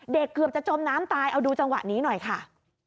เกือบจะจมน้ำตายเอาดูจังหวะนี้หน่อยค่ะ